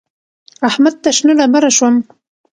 احمد ته شنه ډبره شوم.